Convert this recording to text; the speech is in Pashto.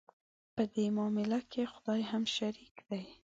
په دې معامله کې خدای هم شریک دی.